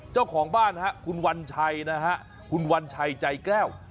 เจ้าของบ้านฮะคุณวัญชัยนะฮะคุณวัญชัยใจแก้ว